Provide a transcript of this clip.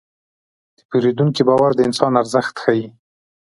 د پیرودونکي باور د انسان ارزښت ښيي.